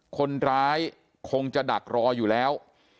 คนร้ายคงจะดักรออยู่แล้ว